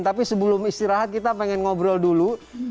tapi sebelum istirahat kita pengen ngobrol dulu